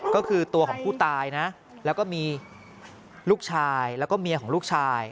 ก็คือตัวของผู้ตายนะแล้วก็มีลูกชายแล้วก็เมียของลูกชาย